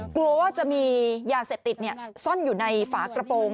กลัวว่าจะมียาเสพติดซ่อนอยู่ในฝากระโปรง